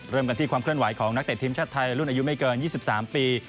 เริ่มกันที่ความเคลื่อนไหวของนักเตะทีมชาติไทยรุ่นอายุไม่เกิน๒๓ปี